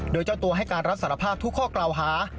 โดยเจ้าตัวให้การรับสารภาพทุกข้อกล่าวหา